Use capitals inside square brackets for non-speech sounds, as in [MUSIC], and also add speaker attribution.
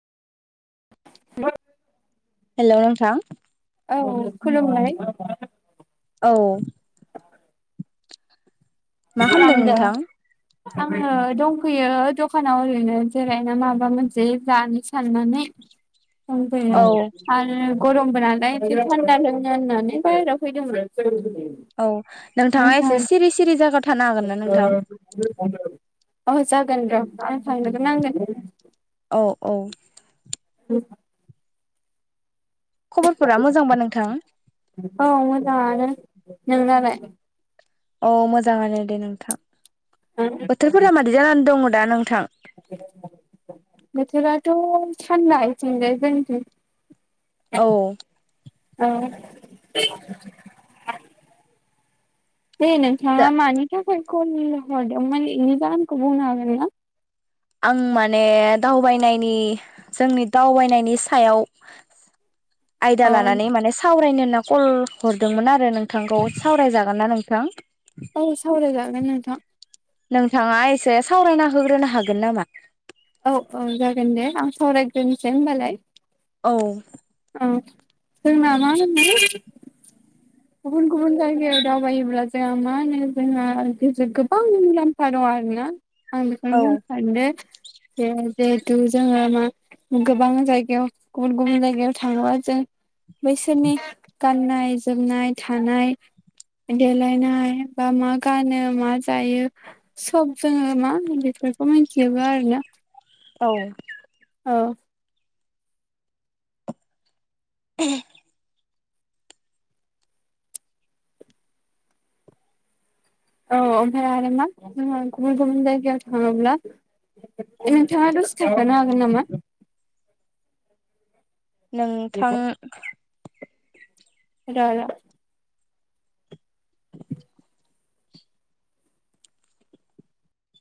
Speaker 1: [UNINTELLIGIBLE]
Speaker 2: Hello नोंथां
Speaker 1: औ खुलुमबाय
Speaker 2: औ मा खालामदों
Speaker 1: खालामदो
Speaker 2: नोंथां
Speaker 1: आङो दंफैयो दखानाव ओरैनो जिरायनो माबा मोनसे जानो साननानै
Speaker 2: औ
Speaker 1: दंफैयो आरो गरमबो नालाय बिदि थान्दा रोङो होननानै बायेरायाव फैदोंमोन
Speaker 2: औ नोंथाङा एसे सिरि सिरि जागा
Speaker 1: [INAUDIBLE] औ जागोन द [UNINTELLIGIBLE]
Speaker 2: औ औ
Speaker 1: [UNINTELLIGIBLE]
Speaker 2: खबरफोरा मोजांबा नोंथां
Speaker 1: औ मोजाङानो नोंनालाय
Speaker 2: अ मोजाङानो दे नोंथां बोथोरफोरा मादै जानानै दंअ दा नोंथां
Speaker 1: बोथोराथ थान्दा इथिंजाय जोंनिथिं
Speaker 2: औ
Speaker 1: ओ हे
Speaker 2: दा
Speaker 1: नोंथाङा मानि थाख सोरखौ नि हरदोंमोन इनो जाहोनखो बुंनो हागोनना?
Speaker 2: आं माने दावबायनायनि जोंनि दावबायनायनि सायाव आयदा
Speaker 1: औ
Speaker 2: लानानै माने सावरायनो होनना कल हरदोंमोन आरो नोंथांखौ सावरायजागोन ना नोंथां?
Speaker 1: औ सावरायगा हागोन नोंथां
Speaker 2: नोंथाङा एसे सावरायना होग्रोनो हागोन नामा?
Speaker 1: औ औ जागोन दे आं सावरायग्रोनिसै होमबालाय
Speaker 2: औ
Speaker 1: उम जोंना मा होनोमोन गुबुन गुबुन जायगायाव दावबायोब्ला जोहा मा होनो जोंहा गोबां मुलाम्फा दङ आरो ना आं बिखोनो
Speaker 2: औ
Speaker 1: बुंनो सान्दो दे जिहेतु जोङो मा गोबां जायगायाव गुबुन गुबुन जायगायाव थाङोबा जों बैसोरनि गाननाय जोमनाय थानाय देलायनाय बा मा गानो मा जायो सब जोङो मा बिफोर खौ मिनथियोबा आरोना
Speaker 2: औ
Speaker 1: औ
Speaker 2: [UNINTELLIGIBLE]
Speaker 1: औ ओमफाय आरो मा जोङा गुबुन गुबुन जायगायाव थाङोब्ला नोंथाङा दसे थाथनो हागोन नामा
Speaker 2: नों थां
Speaker 1: र र